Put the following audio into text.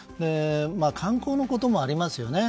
観光のこともありますよね。